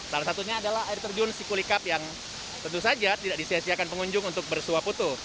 salah satunya adalah air terjun sikulikap yang tentu saja tidak disiasiakan pengunjung untuk bersuap foto